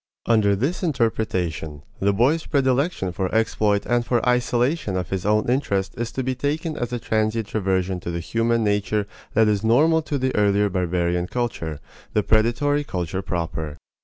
Under this interpretation, the boy's predilection for exploit and for isolation of his own interest is to be taken as a transient reversion to the human nature that is normal to the early barbarian culture the predatory culture proper.